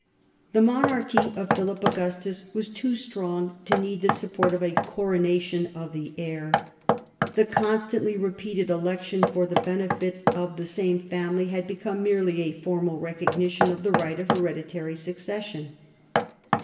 The monarchy of Philip Augustus was too strong to need the support of a coronation of the heir. The constantly repeated election for the benefit of the same family had become merely a formal recognition of the right of hereditary succession.